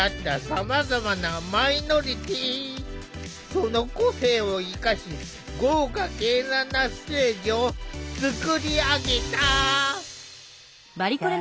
その個性を生かし豪華絢爛なステージを作り上げた。